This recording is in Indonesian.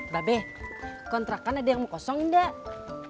babe kontrakan ada yang mau kosong enggak